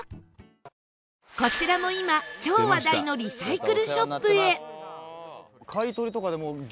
こちらも今超話題のリサイクルショップへ！